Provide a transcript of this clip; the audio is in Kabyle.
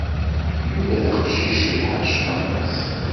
Yuba d aqcic i yiḥercen aṭas.